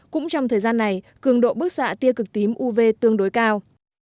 cũng trong thời gian này cường độ bức xạ tia cực tím uv tương đối cao